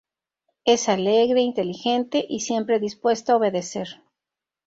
Es alegre, inteligente y siempre dispuesto a obedecer.